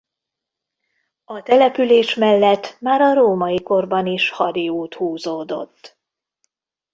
A település mellett már a római korban is hadiút húzódott.